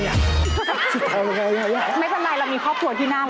ไม่เป็นไรเรามีครอบครัวที่นั่น